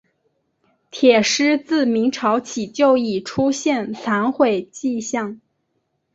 铁狮自明朝起就已出现残毁迹象。